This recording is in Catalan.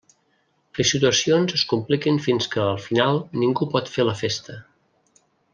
Les situacions es compliquen fins que al final ningú pot fer la festa.